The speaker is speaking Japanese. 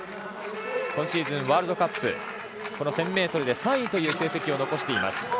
今シーズン、ワールドカップ１０００ｍで３位という成績を残しています。